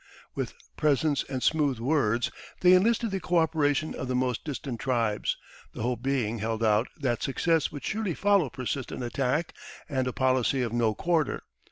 With presents and smooth words they enlisted the cooperation of the most distant tribes, the hope being held out that success would surely follow persistent attack and a policy of "no quarter."